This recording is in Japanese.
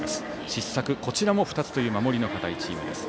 失策、こちらも２つという守りの堅いチームです。